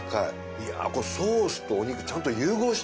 いやこれソースとお肉ちゃんと融合してますね。